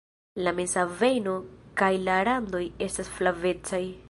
La meza vejno kaj la randoj estas flavecaj.